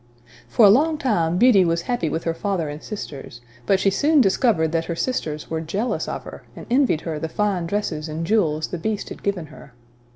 For a long time Beauty was happy with her father and sisters; but she soon discovered that her sisters were jealous of her, and envied her the fine dresses and jewels the Beast had given her.